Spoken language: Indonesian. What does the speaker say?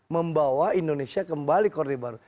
membawa indonesia kembali ke orde baru